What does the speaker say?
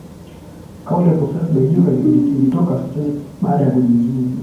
Kauli ya Profesa Tibaijuka ilitoka siku chache baada ya kujiuzulu